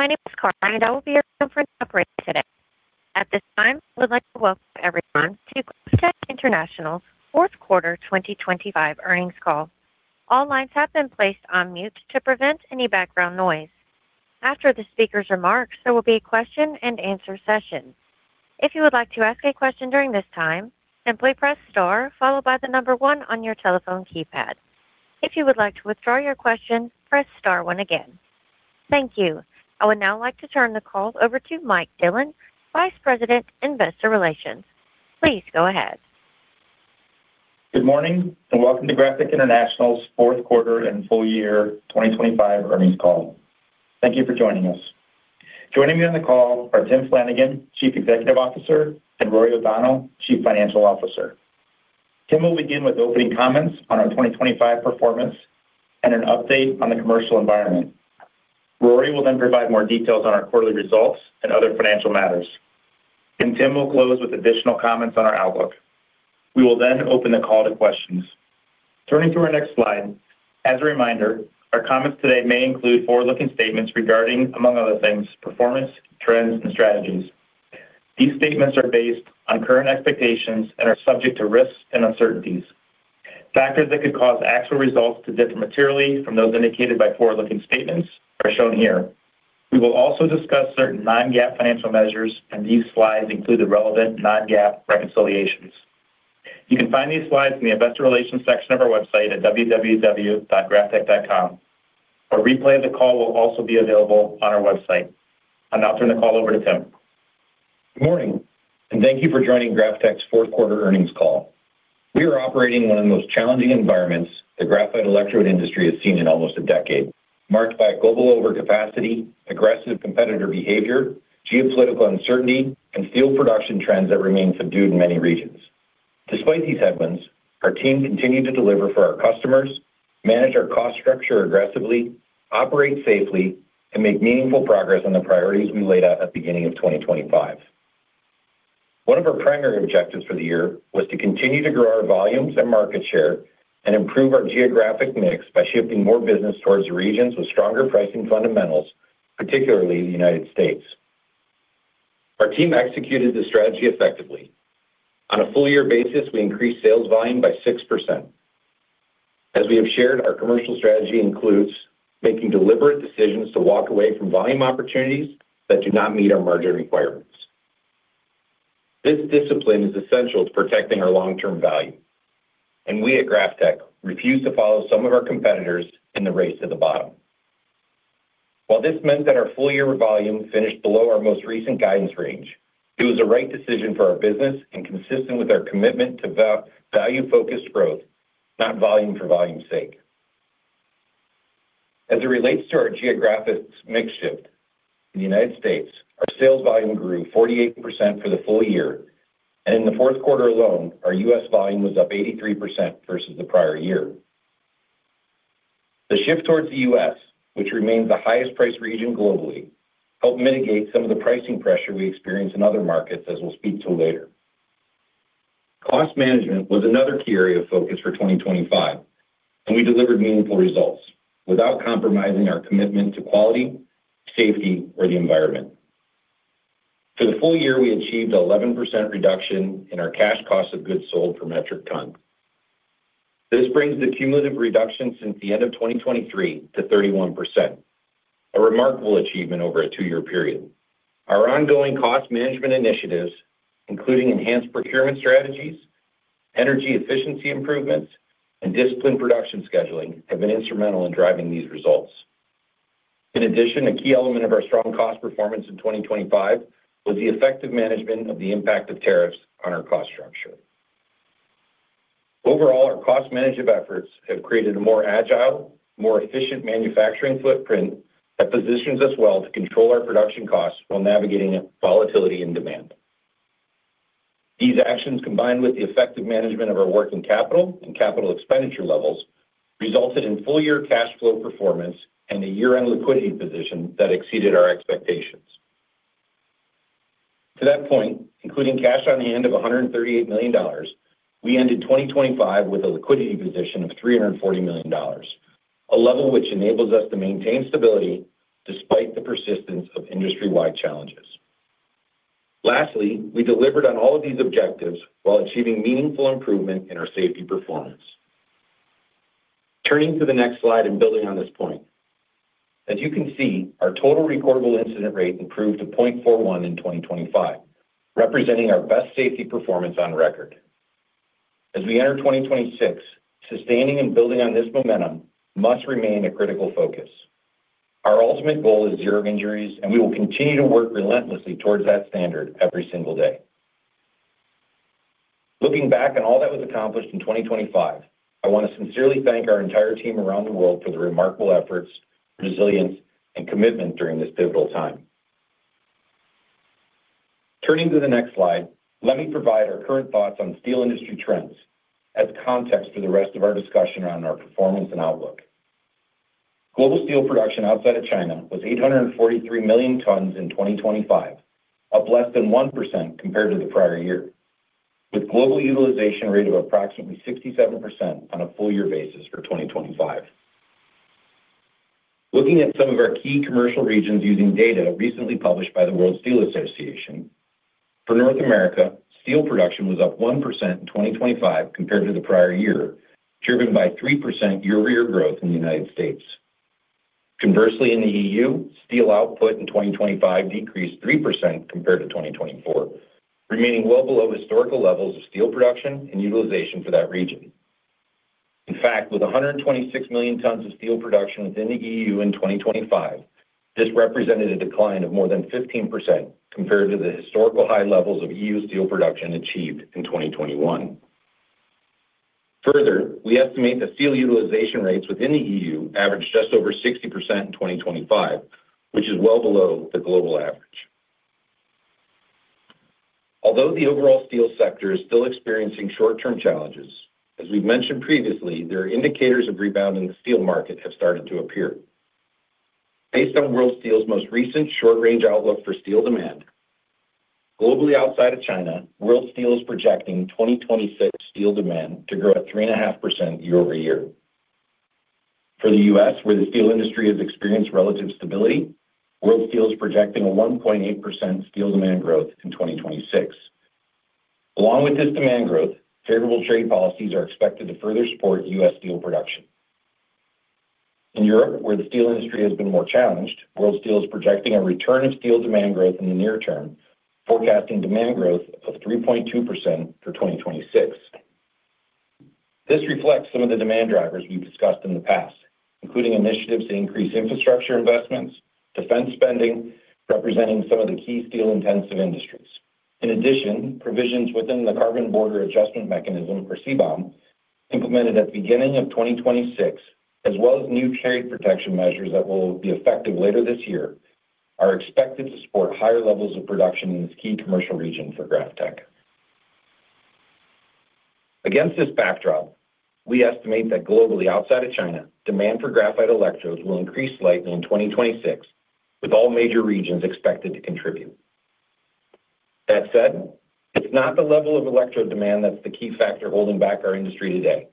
My name is Carly, and I will be your conference operator today. At this time, I would like to welcome everyone to GrafTech International's fourth quarter 2025 earnings call. All lines have been placed on mute to prevent any background noise. After the speaker's remarks, there will be a question and answer session. If you would like to ask a question during this time, simply press star followed by the number one on your telephone keypad. If you would like to withdraw your question, press star one again. Thank you. I would now like to turn the call over to Mike Dillon, Vice President, Investor Relations. Please go ahead. Good morning, and welcome to GrafTech International's fourth quarter and full year 2025 earnings call. Thank you for joining us. Joining me on the call are Tim Flanagan, Chief Executive Officer, and Rory O'Donnell, Chief Financial Officer. Tim will begin with opening comments on our 2025 performance and an update on the commercial environment. Rory will then provide more details on our quarterly results and other financial matters, and Tim will close with additional comments on our outlook. We will then open the call to questions. Turning to our next slide, as a reminder, our comments today may include forward-looking statements regarding, among other things, performance, trends, and strategies. These statements are based on current expectations and are subject to risks and uncertainties. Factors that could cause actual results to differ materially from those indicated by forward-looking statements are shown here. We will also discuss certain non-GAAP financial measures, and these slides include the relevant non-GAAP reconciliations. You can find these slides in the Investor Relations section of our website at www.graftech.com. A replay of the call will also be available on our website. I'll now turn the call over to Tim. Good morning, and thank you for joining GrafTech's fourth quarter earnings call. We are operating in one of the most challenging environments the graphite electrode industry has seen in almost a decade, marked by global overcapacity, aggressive competitor behavior, geopolitical uncertainty, and steel production trends that remain subdued in many regions. Despite these headwinds, our team continued to deliver for our customers, manage our cost structure aggressively, operate safely, and make meaningful progress on the priorities we laid out at the beginning of 2025. One of our primary objectives for the year was to continue to grow our volumes and market share and improve our geographic mix by shifting more business towards regions with stronger pricing fundamentals, particularly in the United States. Our team executed this strategy effectively. On a full year basis, we increased sales volume by 6%. As we have shared, our commercial strategy includes making deliberate decisions to walk away from volume opportunities that do not meet our margin requirements. This discipline is essential to protecting our long-term value, and we at GrafTech refuse to follow some of our competitors in the race to the bottom. While this meant that our full-year volume finished below our most recent guidance range, it was the right decision for our business and consistent with our commitment to value-focused growth, not volume for volume's sake. As it relates to our geographic mix shift, in the United States, our sales volume grew 48% for the full year, and in the fourth quarter alone, our US volume was up 83% versus the prior year. The shift towards the U.S., which remains the highest priced region globally, helped mitigate some of the pricing pressure we experienced in other markets, as we'll speak to later. Cost management was another key area of focus for 2025, and we delivered meaningful results without compromising our commitment to quality, safety, or the environment. For the full year, we achieved 11% reduction in our cash cost of goods sold per metric ton. This brings the cumulative reduction since the end of 2023 to 31%, a remarkable achievement over a 2-year period. Our ongoing cost management initiatives, including enhanced procurement strategies, energy efficiency improvements, and disciplined production scheduling, have been instrumental in driving these results. In addition, a key element of our strong cost performance in 2025 was the effective management of the impact of tariffs on our cost structure. Overall, our cost management efforts have created a more agile, more efficient manufacturing footprint that positions us well to control our production costs while navigating volatility and demand. These actions, combined with the effective management of our working capital and capital expenditure levels, resulted in full-year cash flow performance and a year-end liquidity position that exceeded our expectations. To that point, including cash on hand of $138 million, we ended 2025 with a liquidity position of $340 million, a level which enables us to maintain stability despite the persistence of industry-wide challenges. Lastly, we delivered on all of these objectives while achieving meaningful improvement in our safety performance. Turning to the next slide and building on this point. As you can see, our total recordable incident rate improved to 0.41 in 2025, representing our best safety performance on record. As we enter 2026, sustaining and building on this momentum must remain a critical focus. Our ultimate goal is zero injuries, and we will continue to work relentlessly towards that standard every single day. Looking back on all that was accomplished in 2025, I want to sincerely thank our entire team around the world for their remarkable efforts, resilience, and commitment during this pivotal time. Turning to the next slide, let me provide our current thoughts on steel industry trends as context for the rest of our discussion on our performance and outlook. Global steel production outside of China was 843 million tons in 2025, up less than 1% compared to the prior year, with global utilization rate of approximately 67% on a full year basis for 2025. Looking at some of our key commercial regions using data recently published by the World Steel Association, for North America, steel production was up 1% in 2025 compared to the prior year, driven by 3% year-over-year growth in the United States. Conversely, in the EU, steel output in 2025 decreased 3% compared to 2024, remaining well below historical levels of steel production and utilization for that region. In fact, with 126 million tons of steel production within the EU in 2025, this represented a decline of more than 15% compared to the historical high levels of EU steel production achieved in 2021. Further, we estimate that steel utilization rates within the EU averaged just over 60% in 2025, which is well below the global average. Although the overall steel sector is still experiencing short-term challenges, as we've mentioned previously, there are indicators of rebound in the steel market have started to appear. Based on World Steel's most recent Short Range Outlook for steel demand, globally outside of China, World Steel is projecting 2026 steel demand to grow at 3.5% year-over-year. For the U.S., where the steel industry has experienced relative stability, World Steel is projecting a 1.8% steel demand growth in 2026. Along with this demand growth, favorable trade policies are expected to further support U.S. steel production. In Europe, where the steel industry has been more challenged, World Steel is projecting a return of steel demand growth in the near term, forecasting demand growth of 3.2% for 2026. This reflects some of the demand drivers we've discussed in the past, including initiatives to increase infrastructure investments, defense spending, representing some of the key steel-intensive industries. In addition, provisions within the Carbon Border Adjustment Mechanism, or CBAM, implemented at the beginning of 2026, as well as new trade protection measures that will be effective later this year, are expected to support higher levels of production in this key commercial region for GrafTech. Against this backdrop, we estimate that globally, outside of China, demand for graphite electrodes will increase slightly in 2026, with all major regions expected to contribute. That said, it's not the level of electrode demand that's the key factor holding back our industry today.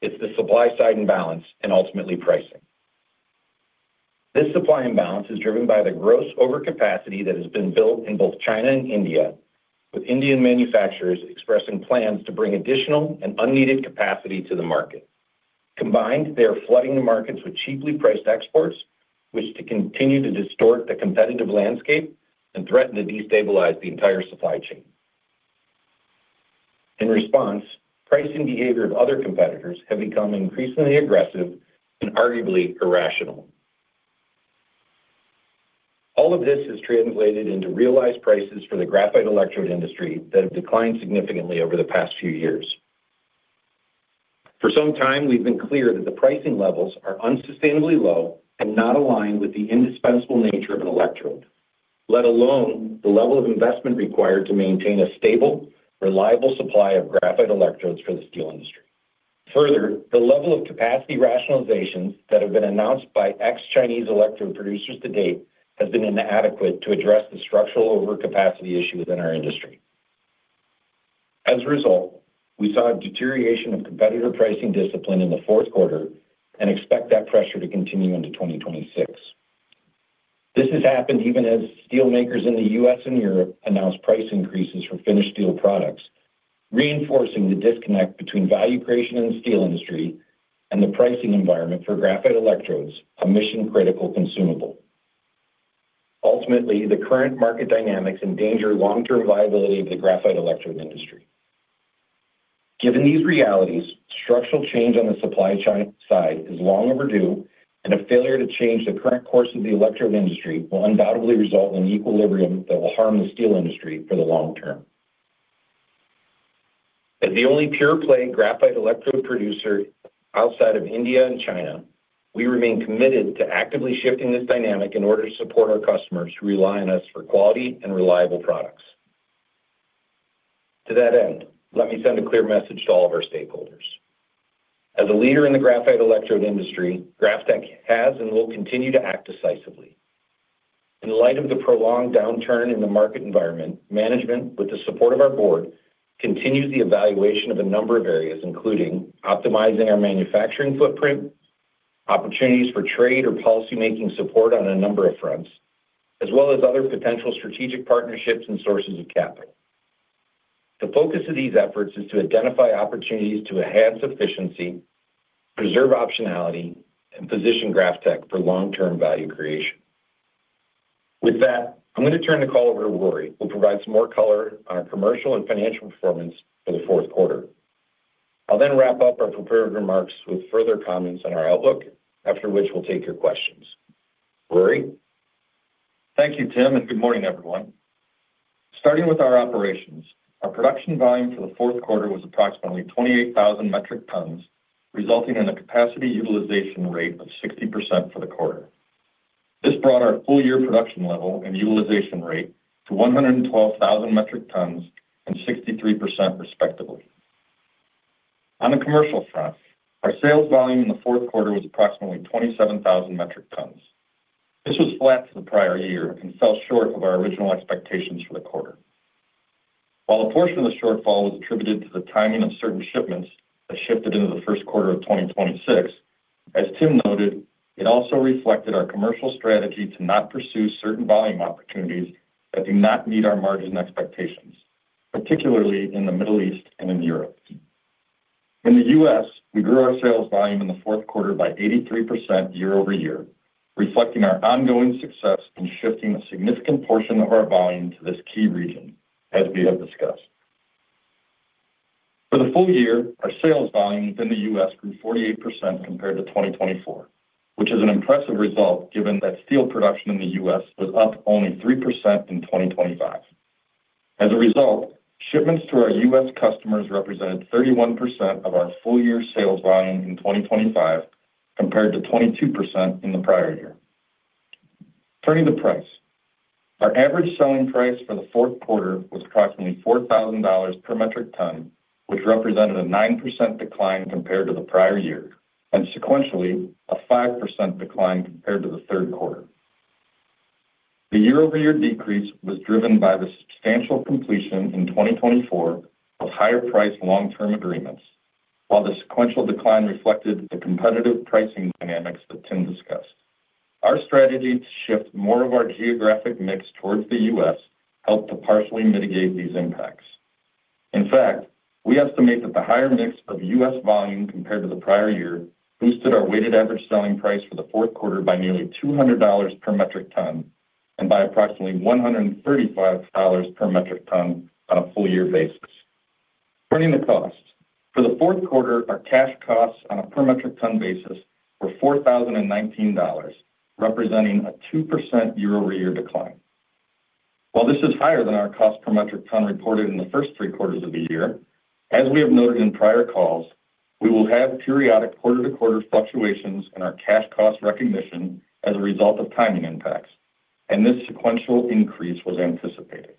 It's the supply side imbalance and ultimately pricing. This supply imbalance is driven by the gross overcapacity that has been built in both China and India, with Indian manufacturers expressing plans to bring additional and unneeded capacity to the market. Combined, they are flooding the markets with cheaply priced exports, which to continue to distort the competitive landscape and threaten to destabilize the entire supply chain. In response, pricing behavior of other competitors have become increasingly aggressive and arguably irrational. All of this has translated into realized prices for the graphite electrode industry that have declined significantly over the past few years. For some time, we've been clear that the pricing levels are unsustainably low and not aligned with the indispensable nature of an electrode, let alone the level of investment required to maintain a stable, reliable supply of graphite electrodes for the steel industry. Further, the level of capacity rationalizations that have been announced by ex-Chinese electrode producers to date has been inadequate to address the structural overcapacity issue within our industry. As a result, we saw a deterioration of competitor pricing discipline in the fourth quarter and expect that pressure to continue into 2026. This has happened even as steel makers in the U.S. and Europe announce price increases for finished steel products, reinforcing the disconnect between value creation in the steel industry and the pricing environment for graphite electrodes, a mission-critical consumable. Ultimately, the current market dynamics endanger long-term viability of the graphite electrode industry. Given these realities, structural change on the supply chain side is long overdue, and a failure to change the current course of the electrode industry will undoubtedly result in equilibrium that will harm the steel industry for the long-term. As the only pure-play graphite electrode producer outside of India and China, we remain committed to actively shifting this dynamic in order to support our customers who rely on us for quality and reliable products. To that end, let me send a clear message to all of our stakeholders. As a leader in the graphite electrode industry, GrafTech has and will continue to act decisively. In light of the prolonged downturn in the market environment, management, with the support of our board, continues the evaluation of a number of areas, including optimizing our manufacturing footprint, opportunities for trade or policymaking support on a number of fronts, as well as other potential strategic partnerships and sources of capital. The focus of these efforts is to identify opportunities to enhance efficiency, preserve optionality, and position GrafTech for long-term value creation. With that, I'm going to turn the call over to Rory, who'll provide some more color on our commercial and financial performance for the fourth quarter. I'll then wrap up our prepared remarks with further comments on our outlook, after which we'll take your questions. Rory? Thank you, Tim, and good morning, everyone. Starting with our operations, our production volume for the fourth quarter was approximately 28,000 metric tons, resulting in a capacity utilization rate of 60% for the quarter. This brought our full-year production level and utilization rate to 112,000 metric tons and 63%, respectively. On the commercial front, our sales volume in the fourth quarter was approximately 27,000 metric tons. This was flat to the prior year and fell short of our original expectations for the quarter. While a portion of the shortfall was attributed to the timing of certain shipments that shifted into the first quarter of 2026, as Tim noted, it also reflected our commercial strategy to not pursue certain volume opportunities that do not meet our margin expectations, particularly in the Middle East and in Europe. In the US, we grew our sales volume in the fourth quarter by 83% year-over-year, reflecting our ongoing success in shifting a significant portion of our volume to this key region, as we have discussed. For the full year, our sales volume within the U.S. grew 48% compared to 2024, which is an impressive result given that steel production in the U.S. was up only 3% in 2025. As a result, shipments to our U.S. customers represented 31% of our full-year sales volume in 2025, compared to 22% in the prior year. Turning to price. Our average selling price for the fourth quarter was approximately $4,000 per metric ton, which represented a 9% decline compared to the prior year, and sequentially, a 5% decline compared to the third quarter. The year-over-year decrease was driven by the substantial completion in 2024 of higher-priced long-term agreements, while the sequential decline reflected the competitive pricing dynamics that Tim discussed. Our strategy to shift more of our geographic mix towards the U.S. helped to partially mitigate these impacts. In fact, we estimate that the higher mix of U.S. volume compared to the prior year boosted our weighted average selling price for the fourth quarter by nearly $200 per metric ton and by approximately $135 per metric ton on a full-year basis. Turning to costs. For the fourth quarter, our cash costs on a per metric ton basis were $4,019, representing a 2% year-over-year decline. While this is higher than our cost per metric ton reported in the first three quarters of the year, as we have noted in prior calls, we will have periodic quarter-to-quarter fluctuations in our cash cost recognition as a result of timing impacts, and this sequential increase was anticipated.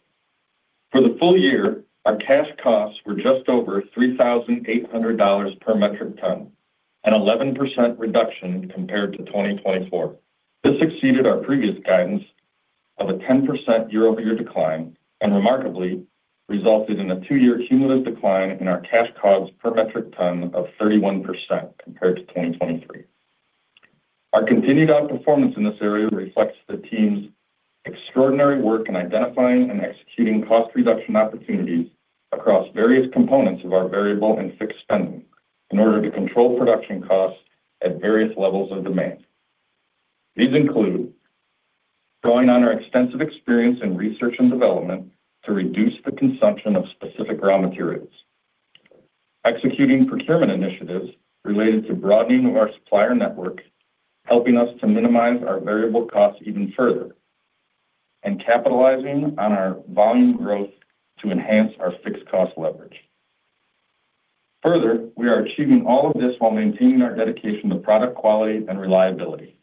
For the full year, our cash costs were just over $3,800 per metric ton, an 11% reduction compared to 2024. This exceeded our previous guidance of a 10% year-over-year decline, and remarkably, resulted in a two-year cumulative decline in our cash costs per metric ton of 31% compared to 2023. Our continued outperformance in this area reflects the team's extraordinary work in identifying and executing cost reduction opportunities across various components of our variable and fixed spending in order to control production costs at various levels of demand. These include drawing on our extensive experience in research and development to reduce the consumption of specific raw materials, executing procurement initiatives related to broadening of our supplier network, helping us to minimize our variable costs even further, and capitalizing on our volume growth to enhance our fixed cost leverage. Further, we are achieving all of this while maintaining our dedication to product quality and reliability,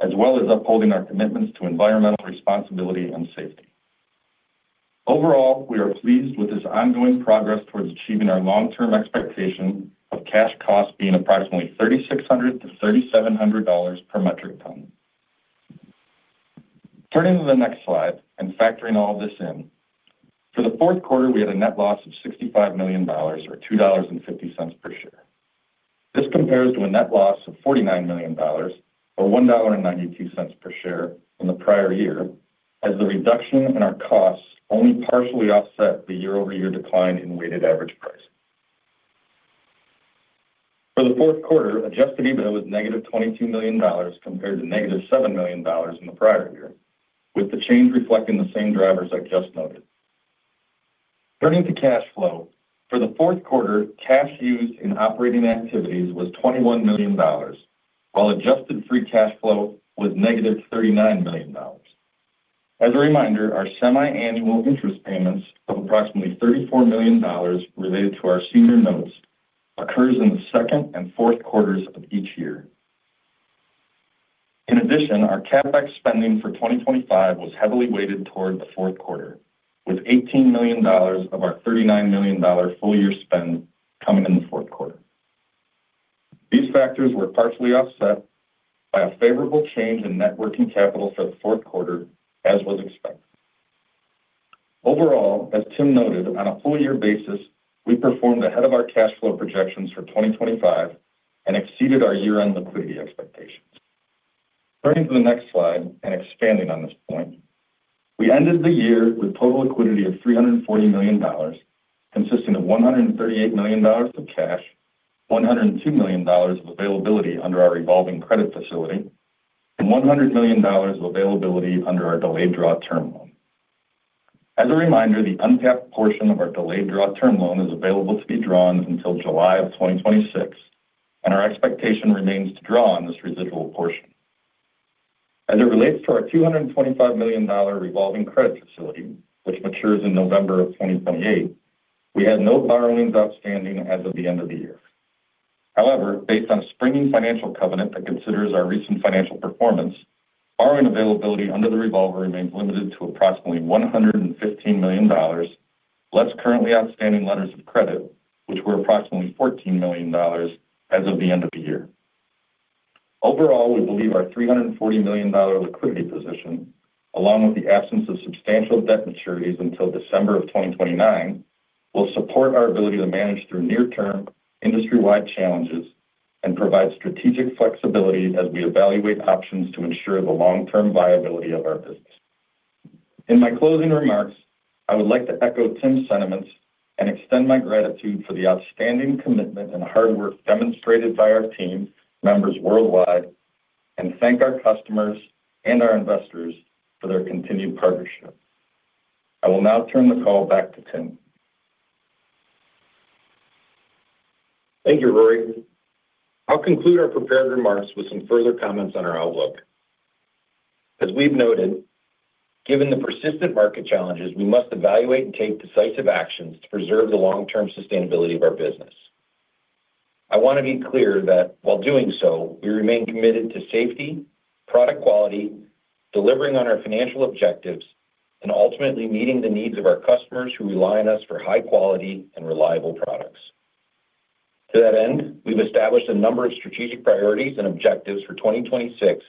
as well as upholding our commitments to environmental responsibility and safety. Overall, we are pleased with this ongoing progress towards achieving our long-term expectation of cash costs being approximately $3,600-$3,700 per metric ton. Turning to the next slide and factoring all this in, for the fourth quarter, we had a net loss of $65 million or $2.50 per share. This compares to a net loss of $49 million or $1.92 per share in the prior year, as the reduction in our costs only partially offset the year-over-year decline in weighted average price. For the fourth quarter, adjusted EBITDA was negative $22 million, compared to negative $7 million in the prior year, with the change reflecting the same drivers I just noted. Turning to cash flow. For the fourth quarter, cash used in operating activities was $21 million, while adjusted free cash flow was negative $39 million. As a reminder, our semiannual interest payments of approximately $34 million related to our senior notes occurs in the second and fourth quarters of each year. In addition, our CapEx spending for 2025 was heavily weighted toward the fourth quarter, with $18 million of our $39 million full-year spend coming in the fourth quarter. These factors were partially offset by a favorable change in net working capital for the fourth quarter, as was expected. Overall, as Tim noted, on a full year basis, we performed ahead of our cash flow projections for 2025 and exceeded our year-end liquidity expectations. Turning to the next slide and expanding on this point, we ended the year with total liquidity of $340 million, consisting of $138 million of cash, $102 million of availability under our revolving credit facility, and $100 million of availability under our delayed draw term loan. As a reminder, the untapped portion of our delayed draw term loan is available to be drawn until July 2026, and our expectation remains to draw on this residual portion. As it relates to our $225 million revolving credit facility, which matures in November 2028, we had no borrowings outstanding as of the end of the year. However, based on a springing financial covenant that considers our recent financial performance, borrowing availability under the revolver remains limited to approximately $115 million, less currently outstanding letters of credit, which were approximately $14 million as of the end of the year. Overall, we believe our $340 million liquidity position, along with the absence of substantial debt maturities until December 2029, will support our ability to manage through near-term industry-wide challenges and provide strategic flexibility as we evaluate options to ensure the long-term viability of our business. In my closing remarks, I would like to echo Tim's sentiments and extend my gratitude for the outstanding commitment and hard work demonstrated by our team members worldwide, and thank our customers and our investors for their continued partnership. I will now turn the call back to Tim. Thank you, Rory. I'll conclude our prepared remarks with some further comments on our outlook. As we've noted, given the persistent market challenges, we must evaluate and take decisive actions to preserve the long-term sustainability of our business. I want to be clear that while doing so, we remain committed to safety, product quality, delivering on our financial objectives, and ultimately meeting the needs of our customers who rely on us for high quality and reliable products. To that end, we've established a number of strategic priorities and objectives for 2026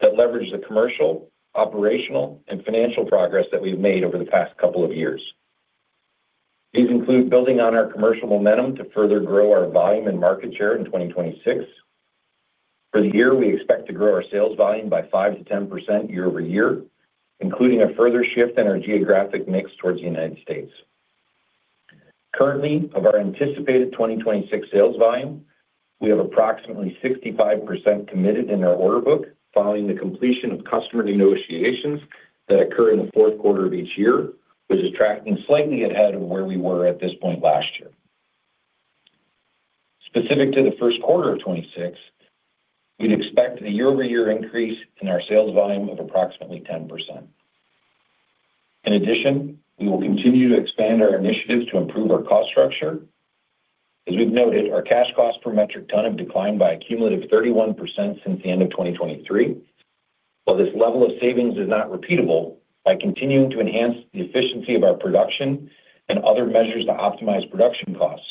that leverage the commercial, operational, and financial progress that we've made over the past couple of years. These include building on our commercial momentum to further grow our volume and market share in 2026. For the year, we expect to grow our sales volume by 5%-10% year-over-year, including a further shift in our geographic mix towards the United States. Currently, of our anticipated 2026 sales volume, we have approximately 65% committed in our order book, following the completion of customer negotiations that occur in the fourth quarter of each year, which is tracking slightly ahead of where we were at this point last year. Specific to the first quarter of 2026, we'd expect a year-over-year increase in our sales volume of approximately 10%. In addition, we will continue to expand our initiatives to improve our cost structure. As we've noted, our cash costs per metric ton have declined by a cumulative 31% since the end of 2023. While this level of savings is not repeatable, by continuing to enhance the efficiency of our production and other measures to optimize production costs,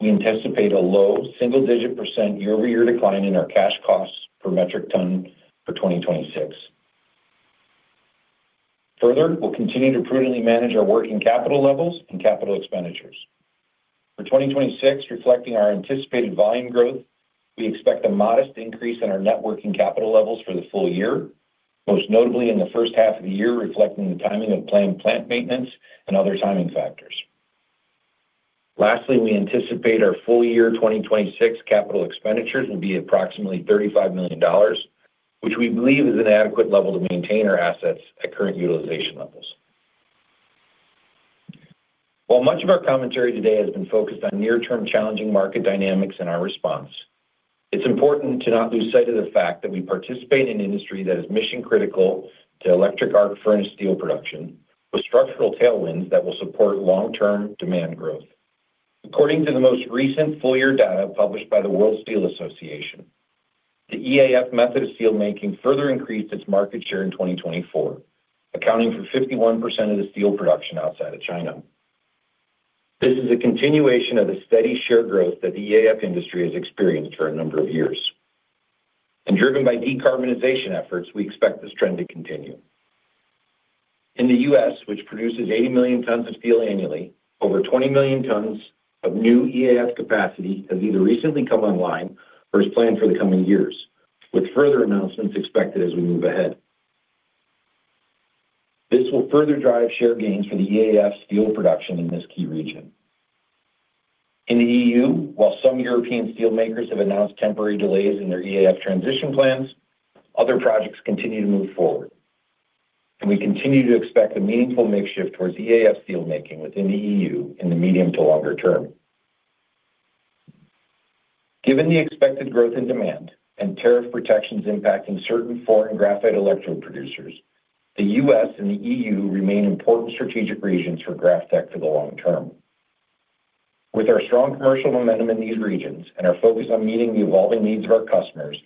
we anticipate a low single-digit percent year-over-year decline in our cash costs per metric ton for 2026. Further, we'll continue to prudently manage our working capital levels and capital expenditures. For 2026, reflecting our anticipated volume growth, we expect a modest increase in our net working capital levels for the full year, most notably in the first half of the year, reflecting the timing of planned plant maintenance and other timing factors. Lastly, we anticipate our full year 2026 capital expenditures will be approximately $35 million, which we believe is an adequate level to maintain our assets at current utilization levels. While much of our commentary today has been focused on near-term challenging market dynamics and our response, it's important to not lose sight of the fact that we participate in an industry that is mission-critical to electric arc furnace steel production, with structural tailwinds that will support long-term demand growth. According to the most recent full year data published by the World Steel Association, the EAF method of steel making further increased its market share in 2024, accounting for 51% of the steel production outside of China. This is a continuation of the steady share growth that the EAF industry has experienced for a number of years. And driven by decarbonization efforts, we expect this trend to continue. In the U.S., which produces 80 million tons of steel annually, over 20 million tons of new EAF capacity has either recently come online or is planned for the coming years, with further announcements expected as we move ahead. This will further drive share gains for the EAF steel production in this key region. In the EU, while some European steelmakers have announced temporary delays in their EAF transition plans, other projects continue to move forward, and we continue to expect a meaningful mix shift towards EAF steel making within the EU in the medium to longer term. Given the expected growth in demand and tariff protections impacting certain foreign graphite electrode producers, the U.S. and the EU remain important strategic regions for GrafTech for the long term. With our strong commercial momentum in these regions and our focus on meeting the evolving needs of our customers,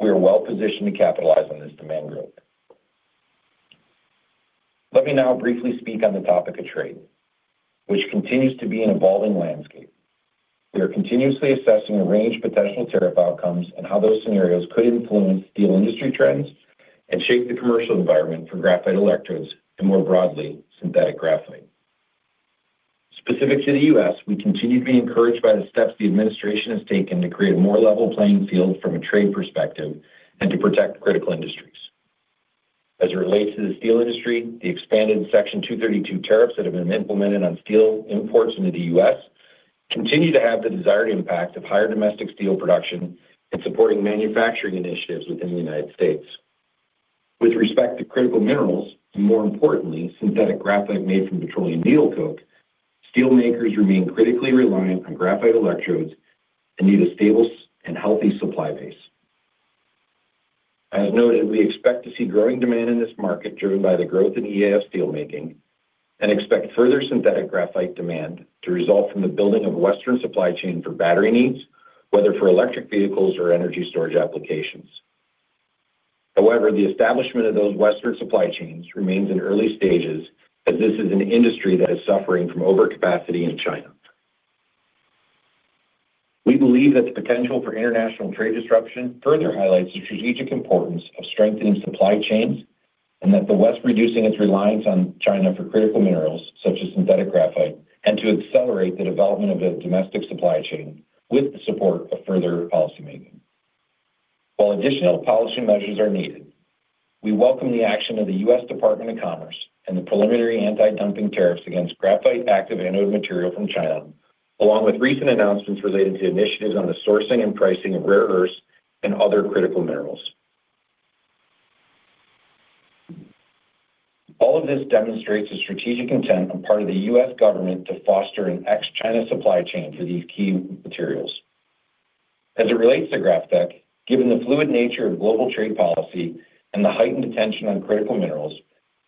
we are well positioned to capitalize on this demand growth. Let me now briefly speak on the topic of trade, which continues to be an evolving landscape. We are continuously assessing a range of potential tariff outcomes and how those scenarios could influence steel industry trends and shape the commercial environment for graphite electrodes and, more broadly, synthetic graphite. Specific to the U.S., we continue to be encouraged by the steps the administration has taken to create a more level playing field from a trade perspective and to protect critical industries. As it relates to the steel industry, the expanded Section 232 tariffs that have been implemented on steel imports into the U.S. continue to have the desired impact of higher domestic steel production and supporting manufacturing initiatives within the United States. With respect to critical minerals, and more importantly, synthetic graphite made from petroleum needle coke, steelmakers remain critically reliant on graphite electrodes and need a stable and healthy supply base. As noted, we expect to see growing demand in this market, driven by the growth in EAF steelmaking, and expect further synthetic graphite demand to result from the building of Western supply chain for battery needs, whether for electric vehicles or energy storage applications. However, the establishment of those Western supply chains remains in early stages, as this is an industry that is suffering from overcapacity in China. We believe that the potential for international trade disruption further highlights the strategic importance of strengthening supply chains, and that the West reducing its reliance on China for critical minerals, such as synthetic graphite, and to accelerate the development of a domestic supply chain with the support of further policy making. While additional policy measures are needed, we welcome the action of the U.S. Department of Commerce and the preliminary anti-dumping tariffs against graphite active anode material from China, along with recent announcements related to initiatives on the sourcing and pricing of rare earths and other critical minerals. All of this demonstrates the strategic intent on part of the U.S. government to foster an ex-China supply chain for these key materials. As it relates to GrafTech, given the fluid nature of global trade policy and the heightened attention on critical minerals,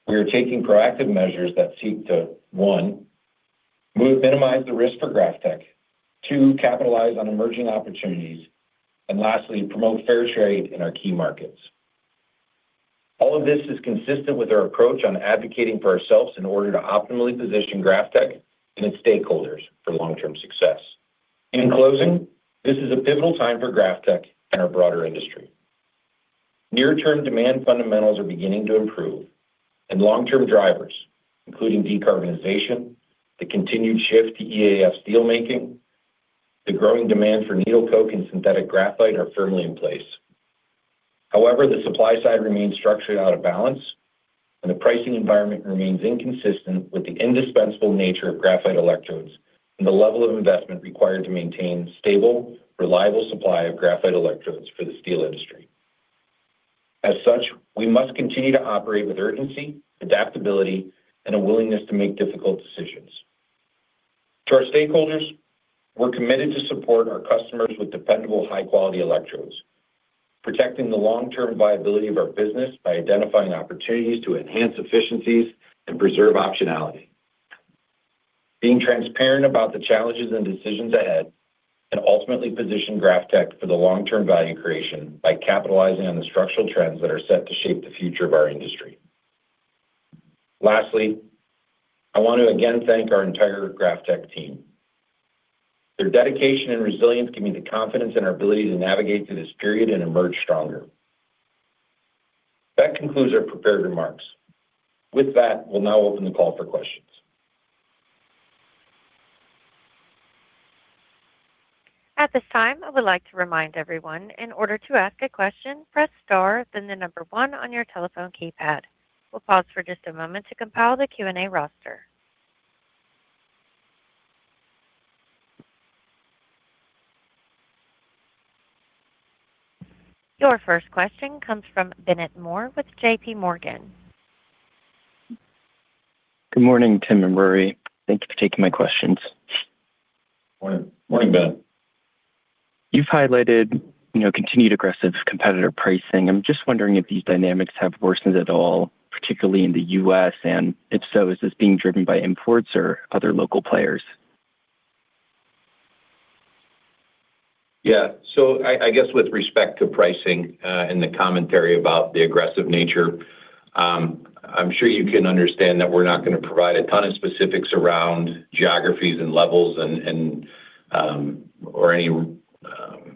we are taking proactive measures that seek to, one, minimize the risk for GrafTech. Two, capitalize on emerging opportunities, and lastly, promote fair trade in our key markets. All of this is consistent with our approach on advocating for ourselves in order to optimally position GrafTech and its stakeholders for long-term success. In closing, this is a pivotal time for GrafTech and our broader industry. Near-term demand fundamentals are beginning to improve, and long-term drivers, including decarbonization, the continued shift to EAF steelmaking, the growing demand for needle coke and synthetic graphite, are firmly in place. However, the supply side remains structurally out of balance, and the pricing environment remains inconsistent with the indispensable nature of graphite electrodes and the level of investment required to maintain stable, reliable supply of graphite electrodes for the steel industry. As such, we must continue to operate with urgency, adaptability, and a willingness to make difficult decisions. To our stakeholders, we're committed to support our customers with dependable, high-quality electrodes, protecting the long-term viability of our business by identifying opportunities to enhance efficiencies and preserve optionality. Being transparent about the challenges and decisions ahead, and ultimately position GrafTech for the long-term value creation by capitalizing on the structural trends that are set to shape the future of our industry. Lastly, I want to again thank our entire GrafTech team. Their dedication and resilience give me the confidence in our ability to navigate through this period and emerge stronger. That concludes our prepared remarks. With that, we'll now open the call for questions. At this time, I would like to remind everyone, in order to ask a question, press star, then the number one on your telephone keypad. We'll pause for just a moment to compile the Q&A roster. Your first question comes from Bennett Moore with J.P. Morgan. Good morning, Tim and Rory. Thank you for taking my questions. Morning. Morning, Ben. You've highlighted, you know, continued aggressive competitor pricing. I'm just wondering if these dynamics have worsened at all, particularly in the U.S., and if so, is this being driven by imports or other local players? Yeah. So, I guess, with respect to pricing, and the commentary about the aggressive nature, I'm sure you can understand that we're not going to provide a ton of specifics around geographies and levels, and, or any,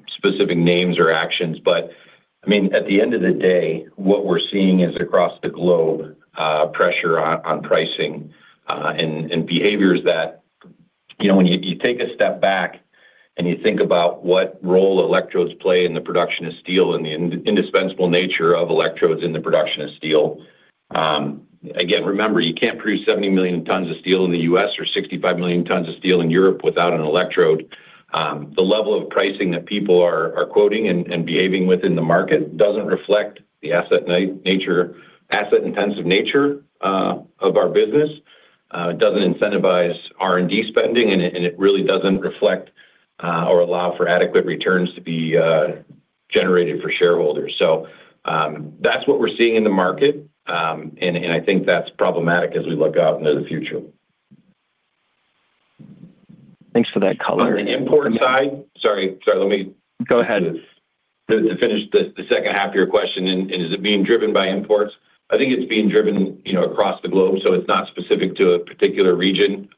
specific names or actions. But, I mean, at the end of the day, what we're seeing is across the globe, pressure on pricing, and behaviors that. You know, when you take a step back and you think about what role electrodes play in the production of steel and the indispensable nature of electrodes in the production of steel, again, remember, you can't produce 70 million tons of steel in the U.S. or 65 million tons of steel in Europe without an electrode. The level of pricing that people are quoting and behaving within the market doesn't reflect the asset-intensive nature of our business. It doesn't incentivize R&D spending, and it really doesn't reflect or allow for adequate returns to be generated for shareholders. So, that's what we're seeing in the market, and I think that's problematic as we look out into the future. Thanks for that color. On the import side. Sorry, let me. Go ahead. To finish the second half of your question, and is it being driven by imports? I think it's being driven, you know, across the globe, so it's not specific to a particular region.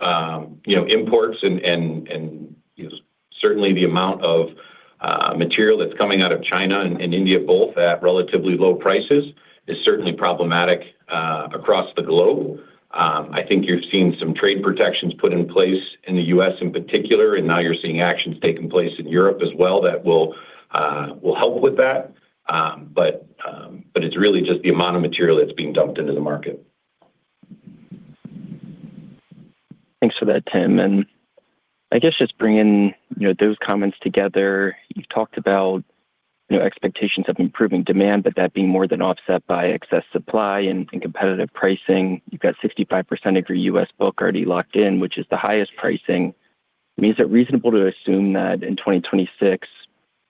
You know, imports and, you know, certainly the amount of material that's coming out of China and India, both at relatively low prices, is certainly problematic across the globe. I think you're seeing some trade protections put in place in the U.S. in particular, and now you're seeing actions taking place in Europe as well that will help with that. But it's really just the amount of material that's being dumped into the market. Thanks for that, Tim. And I guess just bringing, you know, those comments together, you've talked about, you know, expectations of improving demand, but that being more than offset by excess supply and competitive pricing. You've got 65% of your U.S. book already locked in, which is the highest pricing. I mean, is it reasonable to assume that in 2026,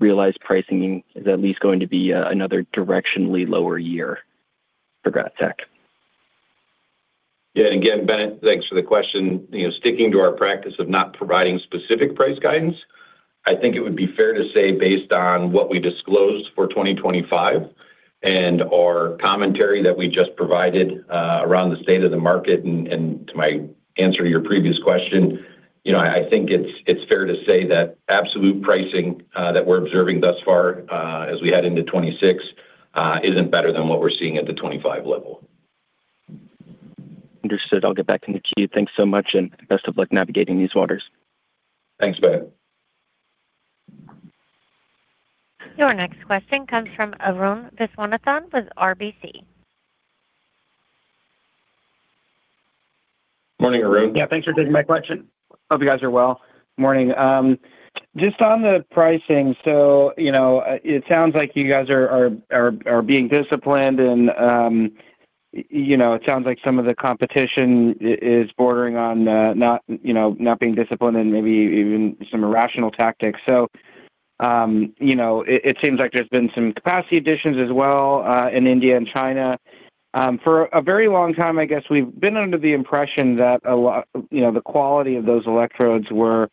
realized pricing is at least going to be another directionally lower year for GrafTech? Yeah. Again, Bennett, thanks for the question. You know, sticking to our practice of not providing specific price guidance, I think it would be fair to say, based on what we disclosed for 2025 and our commentary that we just provided around the state of the market and to my answer to your previous question, you know, I think it's fair to say that absolute pricing that we're observing thus far as we head into 2026 isn't better than what we're seeing at the 2025 level. Understood. I'll get back in the queue. Thanks so much, and best of luck navigating these waters. Thanks, Bennett. Your next question comes from Arun Viswanathan with RBC. Morning, Arun. Yeah, thanks for taking my question. Hope you guys are well. Morning. Just on the pricing, so, you know, it sounds like you guys are being disciplined and, you know, it sounds like some of the competition is bordering on, not, you know, not being disciplined and maybe even some irrational tactics. So, you know, it seems like there's been some capacity additions as well, in India and China. For a very long time, I guess we've been under the impression that a lot—you know, the quality of those electrodes were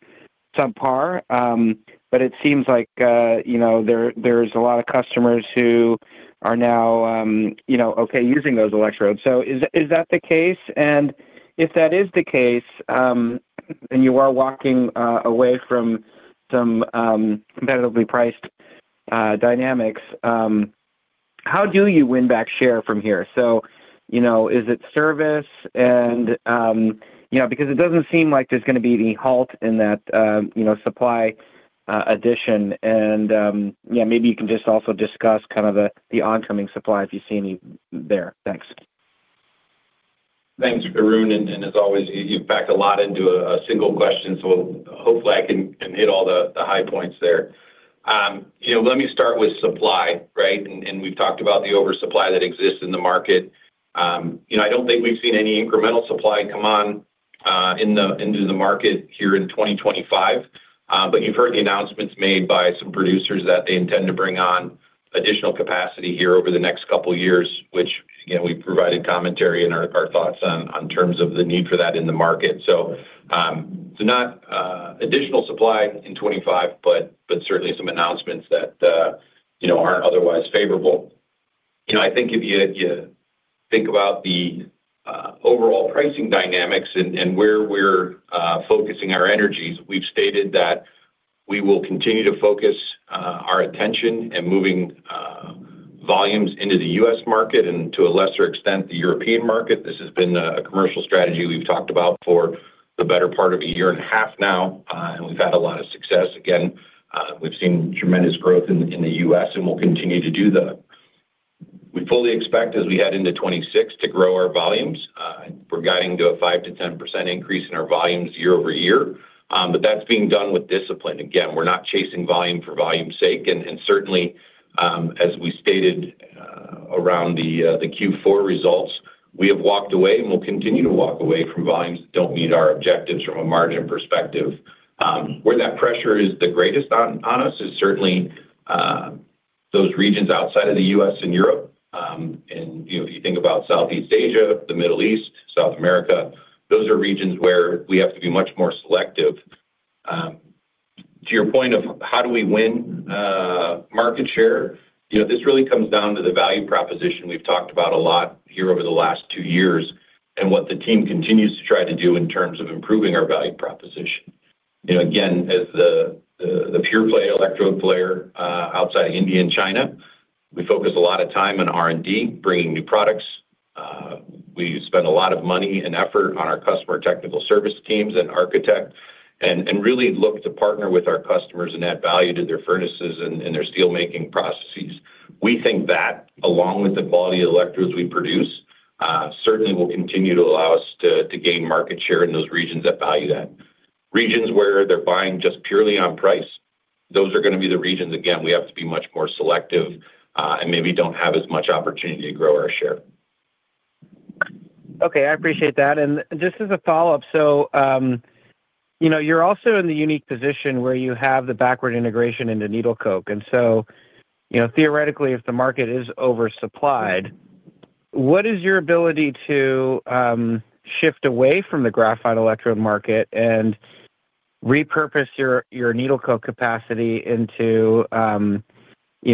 subpar. But it seems like, you know, there's a lot of customers who are now, you know, okay, using those electrodes. So is that the case? And if that is the case, and you are walking away from some competitively priced dynamics, how do you win back share from here? So, you know, is it service? And, you know, because it doesn't seem like there's going to be any halt in that, you know, supply addition. And, yeah, maybe you can just also discuss kind of the oncoming supply, if you see any there. Thanks. Thanks, Arun, as always, you've packed a lot into a single question, so hopefully I can hit all the high points there. You know, let me start with supply, right? And we've talked about the oversupply that exists in the market. You know, I don't think we've seen any incremental supply come on into the market here in 2025. But you've heard the announcements made by some producers that they intend to bring on additional capacity here over the next couple of years, which, again, we provided commentary and our thoughts on terms of the need for that in the market. So, not additional supply in 25, but certainly some announcements that, you know, aren't otherwise favorable. You know, I think, if you think about the overall pricing dynamics and where we're focusing our energies, we've stated that we will continue to focus our attention in moving volumes into the U.S. market and, to a lesser extent, the European market. This has been a commercial strategy we've talked about for the better part of a year and a half now, and we've had a lot of success. Again, we've seen tremendous growth in the U.S., and we'll continue to do that. We fully expect, as we head into 2026, to grow our volumes. We're guiding to a 5%-10% increase in our volumes year-over-year, but that's being done with discipline. Again, we're not chasing volume for volume's sake, and certainly, as we stated, around the Q4 results, we have walked away and will continue to walk away from volumes that don't meet our objectives from a margin perspective. Where that pressure is the greatest on us is certainly those regions outside of the U.S. and Europe. And, you know, if you think about Southeast Asia, the Middle East, South America, those are regions where we have to be much more selective. To your point of how do we win market share, you know, this really comes down to the value proposition we've talked about a lot here over the last two years, and what the team continues to try to do in terms of improving our value proposition. You know, again, as the pure play electrode player outside India and China, we focus a lot of time on R&D, bringing new products. We spend a lot of money and effort on our customer technical service teams and ArchiTech, and really look to partner with our customers and add value to their furnaces and their steelmaking processes. We think that, along with the quality of electrodes we produce, certainly will continue to allow us to gain market share in those regions that value that. Regions where they're buying just purely on price, those are gonna be the regions, again, we have to be much more selective, and maybe don't have as much opportunity to grow our share. Okay, I appreciate that. And just as a follow-up: So, you know, you're also in the unique position where you have the backward integration into needle coke. And so, you know, theoretically, if the market is oversupplied, what is your ability to shift away from the graphite electrode market and repurpose your needle coke capacity into you know,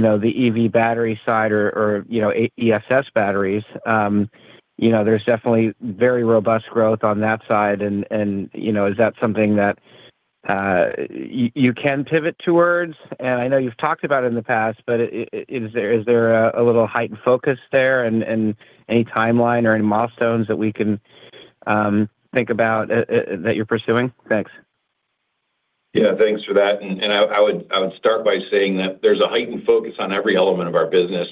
the EV battery side or you know, an ESS batteries? You know, there's definitely very robust growth on that side, and you know, is that something that you can pivot towards? And I know you've talked about it in the past, but is there a little heightened focus there and any timeline or any milestones that we can think about that you're pursuing? Thanks. Yeah, thanks for that. And I would start by saying that there's a heightened focus on every element of our business,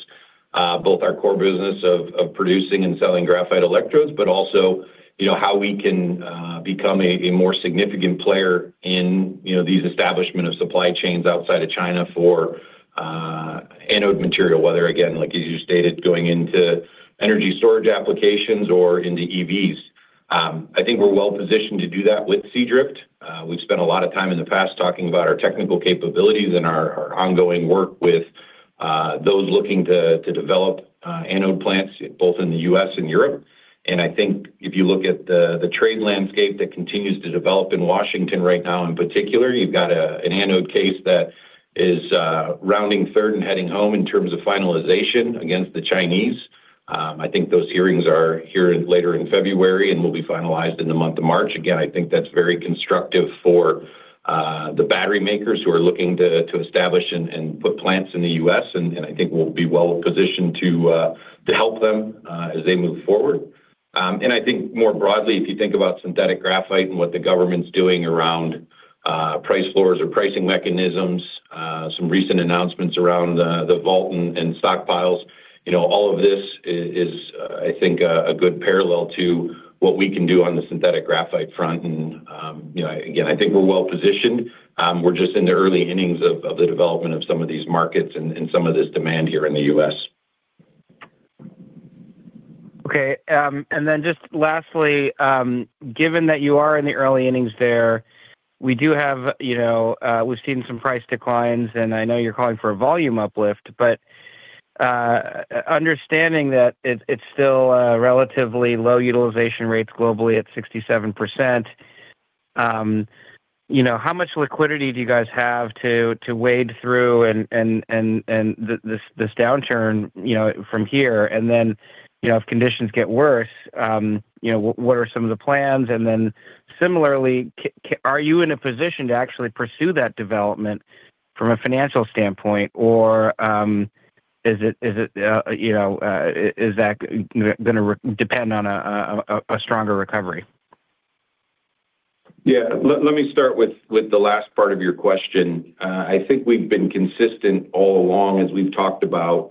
both our core business of producing and selling graphite electrodes, but also, you know, how we can become a more significant player in, you know, the establishment of supply chains outside of China for anode material, whether again, like as you stated, going into energy storage applications or into EVs. I think, we're well positioned to do that with Seadrift. We've spent a lot of time in the past talking about our technical capabilities and our ongoing work with those looking to develop anode plants, both in the U.S. and Europe. I think, if you look at the trade landscape that continues to develop in Washington right now, in particular, you've got an anode case that is rounding third and heading home in terms of finalization against the Chinese. I think, those hearings are here later in February and will be finalized in the month of March. Again, I think that's very constructive for the battery makers who are looking to establish and put plants in the U.S., and I think we'll be well positioned to help them as they move forward. And, I think more broadly, if you think about synthetic graphite and what the government's doing around price floors or pricing mechanisms, some recent announcements around the Volt and stockpiles, you know, all of this is, I think, a good parallel to what we can do on the synthetic graphite front. And, you know, again, I think we're well positioned. We're just in the early innings of the development of some of these markets and some of this demand here in the U.S. Okay, and then just lastly, given that you are in the early innings there, we do have, you know. We've seen some price declines, and I know you're calling for a volume uplift, but, understanding that it's still relatively low utilization rates globally at 67%, you know, how much liquidity do you guys have to wade through and this downturn, you know, from here? And then, you know, if conditions get worse, you know, what are some of the plans? And then, similarly, are you in a position to actually pursue that development from a financial standpoint, or, is it, you know, is that going to depend on a stronger recovery? Yeah. Let me start with the last part of your question. I think, we've been consistent all along as we've talked about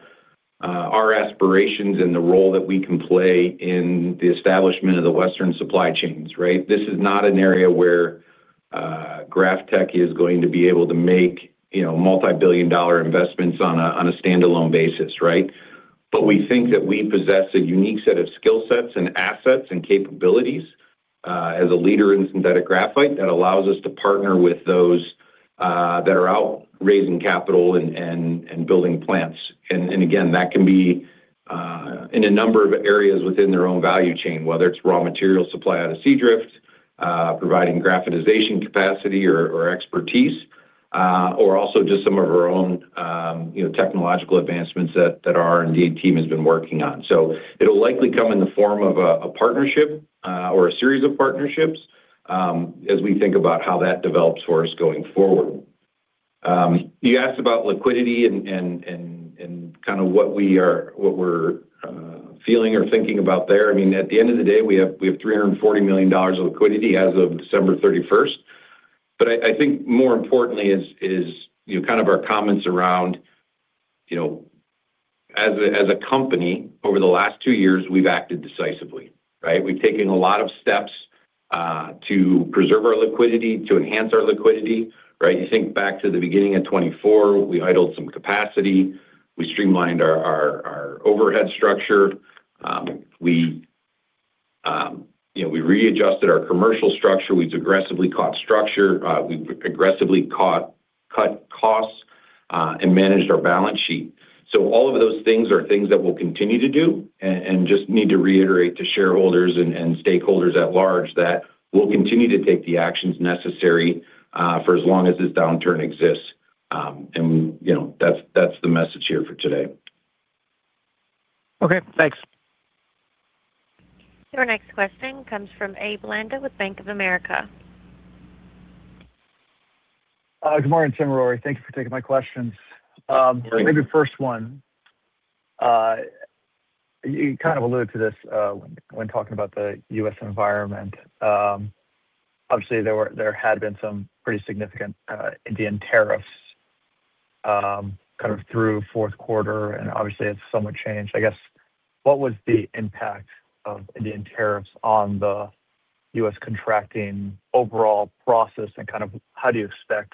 our aspirations and the role that we can play in the establishment of the Western supply chains, right? This is not an area where GrafTech is going to be able to make, you know, multi-billion dollar investments on a standalone basis, right? But we think that we possess a unique set of skill sets and assets and capabilities as a leader in synthetic graphite that allows us to partner with those that are out raising capital and building plants. And again, that can be in a number of areas within their own value chain, whether it's raw material supply out of Seadrift, providing graphitization capacity or expertise, or also just some of our own, you know, technological advancements that our R&D team has been working on. So, it'll likely come in the form of a partnership or a series of partnerships, as we think about how that develops for us going forward. You asked about liquidity and kind of what we're feeling or thinking about there. I mean, at the end of the day, we have $340 million of liquidity as of December 31st. But I think, more importantly is, you know, kind of our comments around, you know, as a company, over the last two years, we've acted decisively, right? We've taken a lot of steps to preserve our liquidity, to enhance our liquidity, right? You think back to the beginning of 2024, we idled some capacity, we streamlined our overhead structure, you know, we readjusted our commercial structure, we've aggressively cost structure, we've aggressively cut costs, and managed our balance sheet. So, all of those things are things that we'll continue to do, and just need to reiterate to shareholders and stakeholders at large that we'll continue to take the actions necessary for as long as this downturn exists. And, you know, that's the message here for today. Okay, thanks. Your next question comes from Abe Landa with Bank of America. Good morning, Tim, Rory. Thank you for taking my questions. Good morning. Maybe the first one. You kind of alluded to this, when talking about the U.S. environment. Obviously, there had been some pretty significant Indian tariffs, kind of through fourth quarter, and obviously, it's somewhat changed. I guess, what was the impact of Indian tariffs on the U.S. contracting overall process, and kind of how do you expect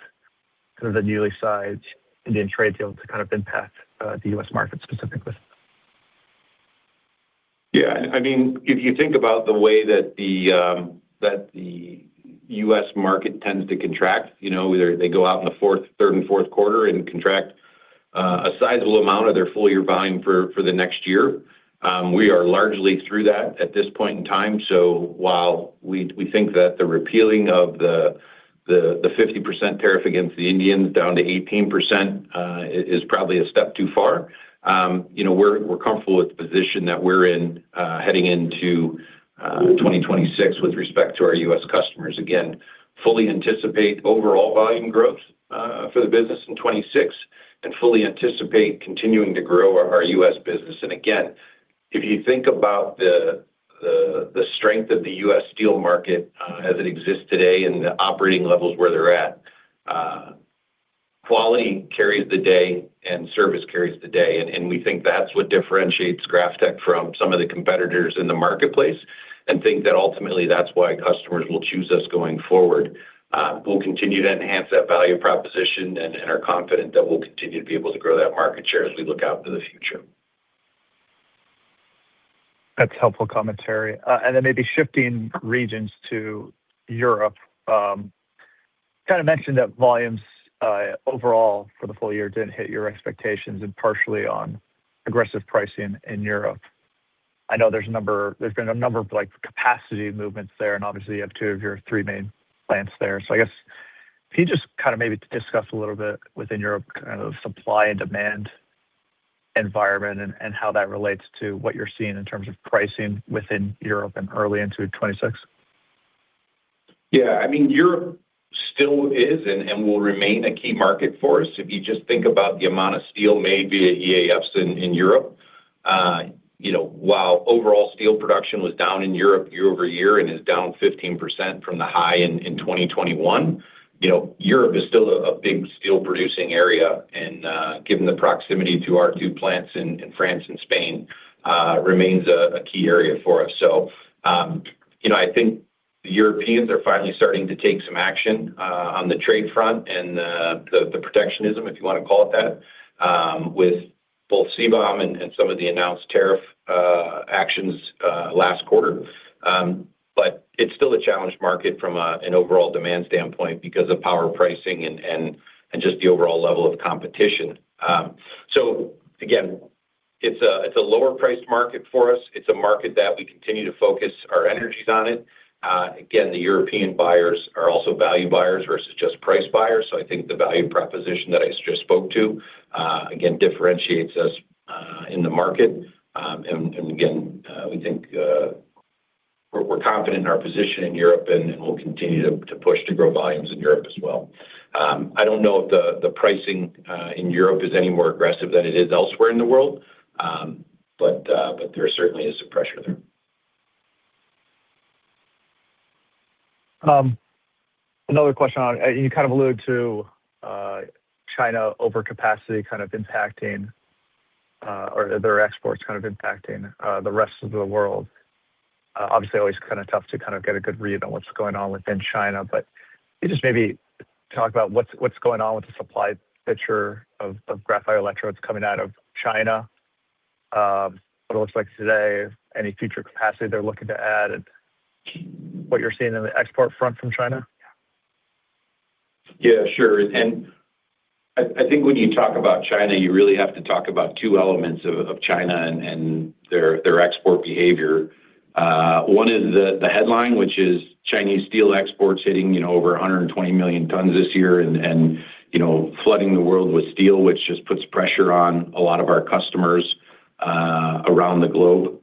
kind of the newly sized Indian trade deal to kind of impact, the U.S. market specifically? Yeah, I mean, if you think about the way that the U.S. market tends to contract, you know, they go out in the fourth, third, and fourth quarter and contract, a sizable amount of their full year volume for, for the next year. We are largely through that at this point in time. So, while we, we think that the repealing of the 50% tariff against the Indians down to 18%, is probably a step too far, you know, we're comfortable with the position that we're in, heading into, 2026 with respect to our U.S. customers. Again, fully anticipate overall volume growth, for the business in 2026 and fully anticipate continuing to grow our U.S. business. And again, if you think about the strength of the U.S. steel market, as it exists today and the operating levels where they're at, quality carries the day and service carries the day, and we think that's what differentiates GrafTech from some of the competitors in the marketplace, and think that ultimately that's why customers will choose us going forward. We'll continue to enhance that value proposition and are confident that we'll continue to be able to grow that market share as we look out into the future. That's helpful commentary. And then, maybe shifting regions to Europe, kind of mentioned that volumes overall for the full year didn't hit your expectations, and partially on aggressive pricing in Europe. I know there's a number, there's been a number of, like, capacity movements there, and obviously, you have two of your three main plants there. So, I guess, can you just kind of maybe discuss a little bit within your kind of supply and demand environment and, and how that relates to what you're seeing in terms of pricing within Europe and early into 2026? Yeah. I mean, Europe still is and will remain a key market for us. If you just think about the amount of steel made via EAFs in Europe, you know, while overall steel production was down in Europe year-over-year and is down 15% from the high in 2021, you know, Europe is still a big steel-producing area, and given the proximity to our two plants in France and Spain, remains a key area for us. So, you know, I think the Europeans are finally starting to take some action on the trade front and the protectionism, if you want to call it that, with both CBAM and some of the announced tariff actions last quarter. But it's still a challenged market from an overall demand standpoint because of power pricing and just the overall level of competition. So, again, it's a lower-priced market for us. It's a market that we continue to focus our energies on it. Again, the European buyers are also value buyers versus just price buyers, so I think, the value proposition that I just spoke to, again, differentiates us in the market. And again, we think we're confident in our position in Europe, and we'll continue to push to grow volumes in Europe as well. I don't know if the pricing in Europe is any more aggressive than it is elsewhere in the world, but there certainly is some pressure there. Another question. You kind of alluded to China overcapacity kind of impacting or their exports kind of impacting the rest of the world. Obviously, always kind of tough to kind of get a good read on what's going on within China, but can you just maybe talk about what's going on with the supply picture of graphite electrodes coming out of China, what it looks like today, any future capacity they're looking to add, and what you're seeing in the export front from China? Yeah, sure. I think, when you talk about China, you really have to talk about two elements of China and their export behavior. One is the headline, which is Chinese steel exports hitting, you know, over 120 million tons this year and, you know, flooding the world with steel, which just puts pressure on a lot of our customers around the globe.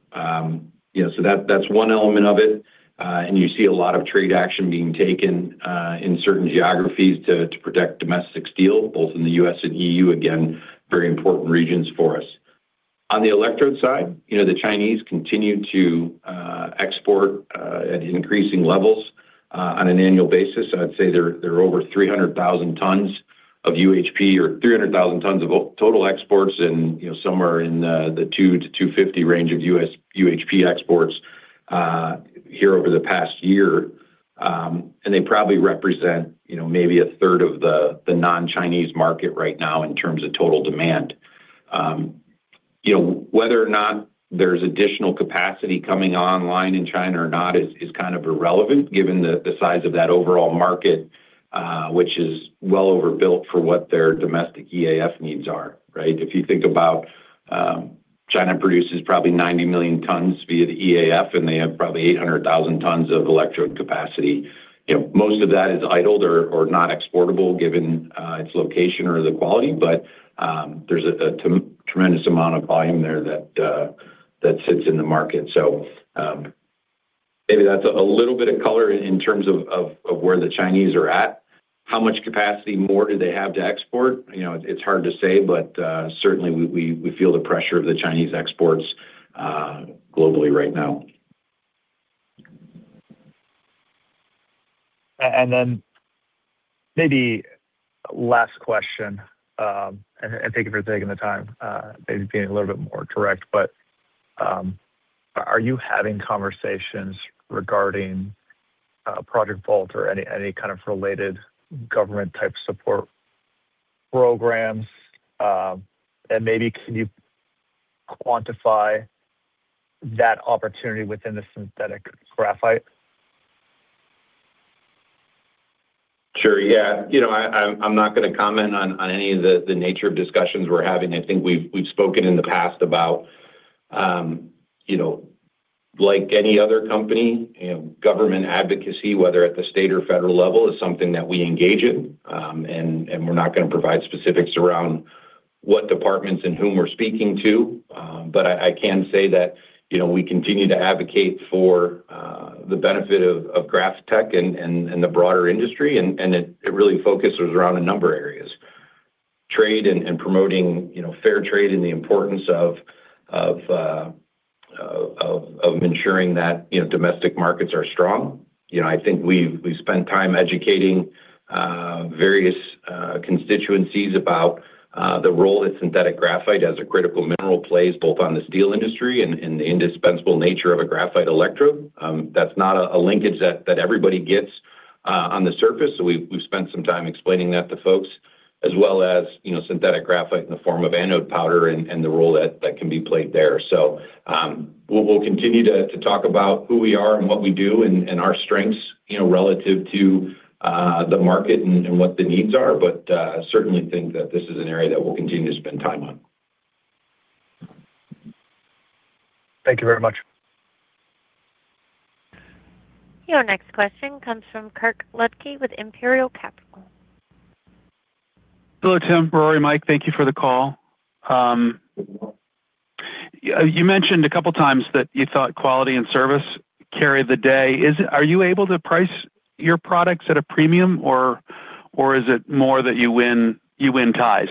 So, that's one element of it, and you see a lot of trade action being taken in certain geographies to protect domestic steel, both in the U.S. and EU. Again, very important regions for us. On the electrode side, you know, the Chinese continue to export at increasing levels on an annual basis. I'd say they're over 300,000 tons of UHP or 300,000 tons of total exports and, you know, somewhere in the 200-250 range of U.S. UHP exports here over the past year. And they probably represent, you know, maybe a third of the non-Chinese market right now in terms of total demand. You know, whether or not there's additional capacity coming online in China or not is kind of irrelevant, given the size of that overall market, which is well overbuilt for what their domestic EAF needs are, right? If you think about, China produces probably 90 million tons via the EAF, and they have probably 800,000 tons of electrode capacity. You know, most of that is idled or not exportable, given its location or the quality, but there's a tremendous amount of volume there that sits in the market. So, maybe that's a little bit of color in terms of where the Chinese are at. How much capacity more do they have to export? You know, it's hard to say, but certainly we feel the pressure of the Chinese exports globally right now. And then, maybe last question, and thank you for taking the time, maybe being a little bit more direct. But, are you having conversations regarding Project Volt or any kind of related government-type support programs? And maybe can you quantify that opportunity within the synthetic graphite? Sure. Yeah. You know, I'm not going to comment on any of the nature of discussions we're having. I think, we've spoken in the past about, you know, like any other company, you know, government advocacy, whether at the state or federal level, is something that we engage in. And we're not going to provide specifics around what departments and whom we're speaking to, but I can say that, you know, we continue to advocate for the benefit of GrafTech and the broader industry, and it really focuses around a number of areas. Trade and promoting, you know, fair trade and the importance of ensuring that, you know, domestic markets are strong. You know, I think, we've spent time educating various constituencies about the role that synthetic graphite as a critical mineral plays both on the steel industry and the indispensable nature of a graphite electrode. That's not a linkage that everybody gets on the surface. So, we've spent some time explaining that to folks, as well as, you know, synthetic graphite in the form of anode powder and the role that can be played there. So, we'll continue to talk about who we are and what we do and our strengths, you know, relative to the market and what the needs are, but I certainly think that this is an area that we'll continue to spend time on. Thank you very much. Your next question comes from Kirk Ludtke with Imperial Capital. Hello, Tim, Rory, Mike, thank you for the call. You mentioned a couple of times that you thought quality and service carry the day. Are you able to price your products at a premium, or is it more that you win ties?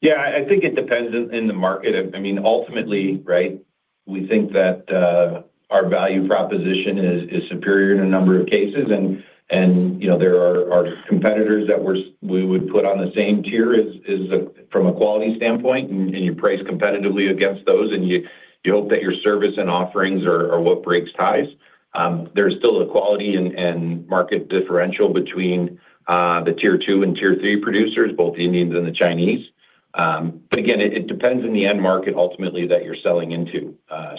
Yeah, I think, it depends on the market. I mean, ultimately, right, we think that our value proposition is superior in a number of cases, and you know, there are competitors that we would put on the same tier as from a quality standpoint, and you price competitively against those, and you hope that your service and offerings are what breaks ties. There's still a quality and market differential between the Tier Two and Tier Three producers, both the Indians and the Chinese. But again, it depends on the end market, ultimately, that you're selling into.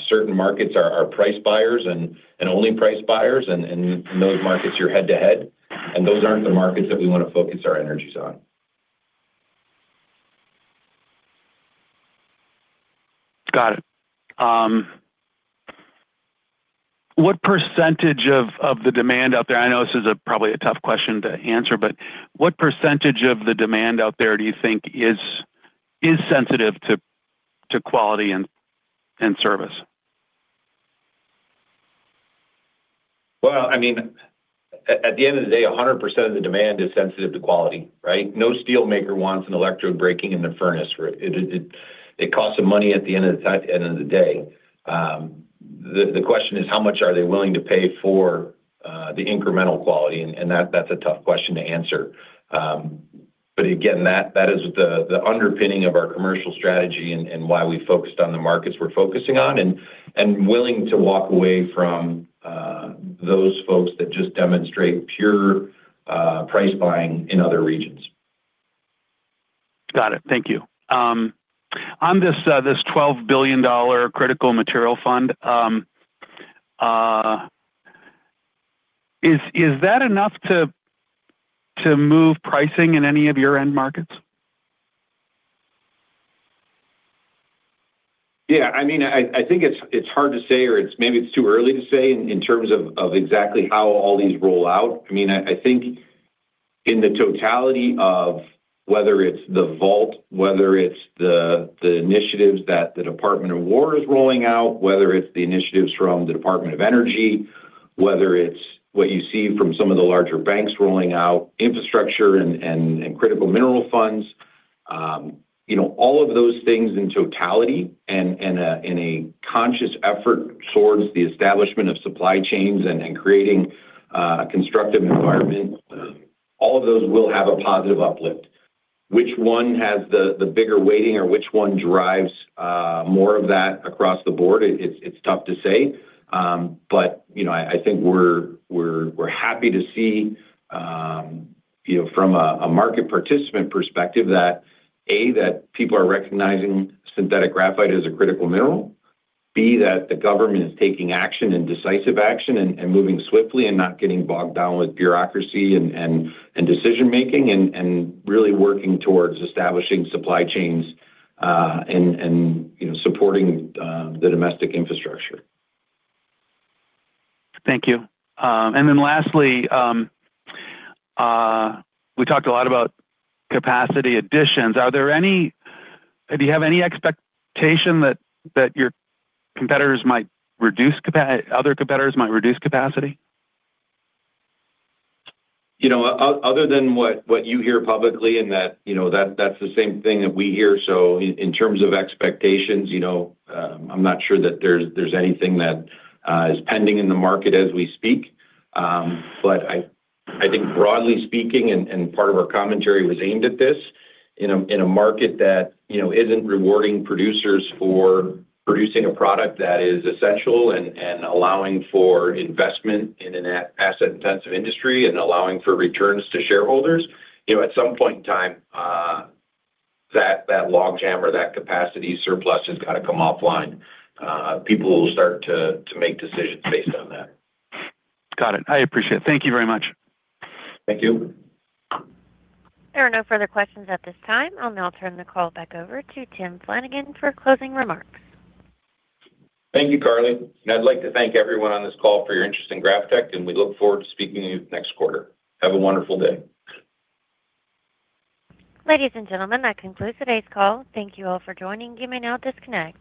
Certain markets are price buyers and only price buyers, and in those markets, you're head-to-head, and those aren't the markets that we want to focus our energies on. Got it. What percentage of the demand out there. I know this is probably a tough question to answer, but what percentage of the demand out there do you think is sensitive to quality and service? Well, I mean, at the end of the day, 100% of the demand is sensitive to quality, right? No steelmaker wants an electrode breaking in the furnace. It costs them money at the end of the day. The question is, how much are they willing to pay for the incremental quality? And that's a tough question to answer. But again, that is the underpinning of our commercial strategy and why we focused on the markets we're focusing on and willing to walk away from those folks that just demonstrate pure price buying in other regions. Got it. Thank you. On this $12 billion critical material fund, is that enough to move pricing in any of your end markets? Yeah, I mean, I think, it's hard to say, or maybe it's too early to say in terms of exactly how all these roll out. I mean, I think, in the totality of whether it's the Volt, whether it's the initiatives that the Department of Defense is rolling out, whether it's the initiatives from the Department of Energy, whether it's what you see from some of the larger banks rolling out, infrastructure and critical mineral funds, you know, all of those things in totality and in a conscious effort towards the establishment of supply chains and creating a constructive environment, all of those will have a positive uplift. Which one has the bigger weighting, or which one drives more of that across the board? It's tough to say. But, you know, I think, we're happy to see, you know, from a market participant perspective, that A, people are recognizing synthetic graphite as a critical mineral. B, that the government is taking action and decisive action and moving swiftly and not getting bogged down with bureaucracy and decision-making and really working towards establishing supply chains, and, you know, supporting the domestic infrastructure. Thank you. Then lastly, we talked a lot about capacity additions. Do you have any expectation that your competitors might reduce capacity? You know, other than what you hear publicly, and that, you know, that's the same thing that we hear. So, in terms of expectations, you know, I'm not sure that there's anything that is pending in the market as we speak. But I think, broadly speaking, and part of our commentary was aimed at this, in a market that, you know, isn't rewarding producers for producing a product that is essential and allowing for investment in an asset-intensive industry and allowing for returns to shareholders, you know, at some point in time, that logjam or that capacity surplus has got to come offline. People will start to make decisions based on that. Got it. I appreciate it. Thank you very much. Thank you. There are no further questions at this time. I'll now turn the call back over to Tim Flanagan for closing remarks. Thank you, Carly. I'd like to thank everyone on this call for your interest in GrafTech, and we look forward to speaking to you next quarter. Have a wonderful day. Ladies and gentlemen, that concludes today's call. Thank you all for joining. You may now disconnect.